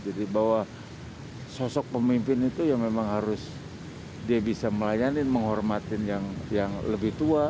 jadi bahwa sosok pemimpin itu yang memang harus dia bisa melayani menghormatin yang lebih tua